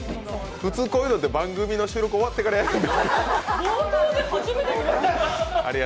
普通こういうのって番組の収録終わってからやるんですが。